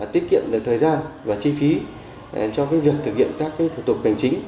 tiết kiệm thời gian và chi phí cho việc thực hiện các thủ tục hành chính